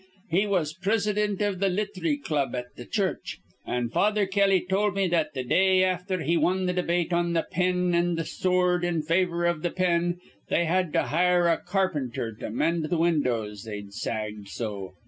He was prisidint iv th' lithry club at th' church; an' Father Kelly tol' me that, th' day afther he won th' debate on th' pen an' th' soord in favor iv th' pen, they had to hire a carpenter to mend th' windows, they'd sagged so.